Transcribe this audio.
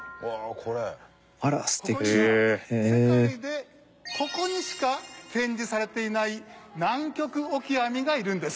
ここには世界でここにしか展示されていないナンキョクオキアミがいるんです。